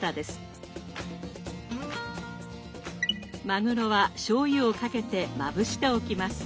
マグロはしょうゆをかけてまぶしておきます。